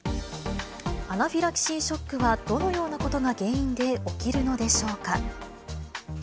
アナフィラキシーショックはどのようなことが原因で起きるのでしょうか。